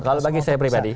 kalau bagi saya pribadi